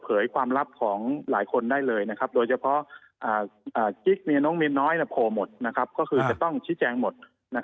โผล่หมดก็คือซงชิ้นแจ้งหมด